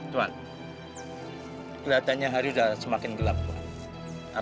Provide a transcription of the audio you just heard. tuan kelihatannya hari udah semakin gelap tuan